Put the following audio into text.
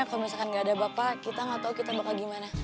kalau misalkan gak ada bapak kita gak tau kita bakal gimana